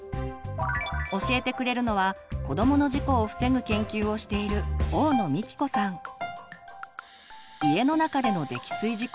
教えてくれるのは子どもの事故を防ぐ研究をしている家の中での溺水事故。